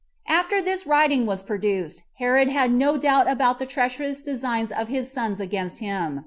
After this writing was produced, Herod had no doubt about the treacherous designs of his sons against him.